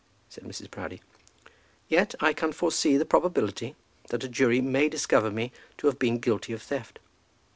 said Mrs. Proudie. "Yet I can foresee the probability that a jury may discover me to have been guilty of theft."